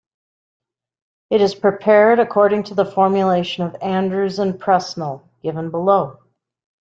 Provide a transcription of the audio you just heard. It is prepared according to the formulation of Andrews and Presnell given below.